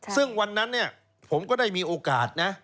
ซึ่งวันนั้นผมก็ได้มีโอกาสนะ